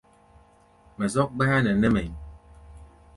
Mɛ zɔ́k gbáyá nɛ nɛ́ mɛ̧ʼí̧.